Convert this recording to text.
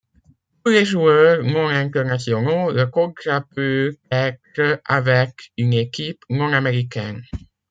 Pour les joueurs non internationaux, le contrat peut être avec une équipe non américaine.